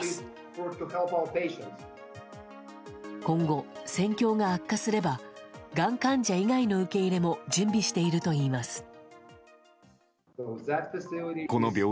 今後、戦況が悪化すればがん患者以外の受け入れも準備しているといいます。